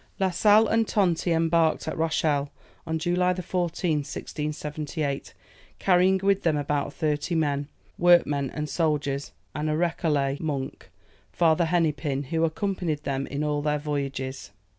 La Sale and Tonti embarked at Rochelle, on July 14th, 1678, carrying with them about thirty men, workmen and soldiers, and a Recollet (monk), Father Hennepin, who accompanied them in all their voyages.